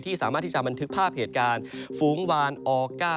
สามารถที่จะบันทึกภาพเหตุการณ์ฝูงวานออก้า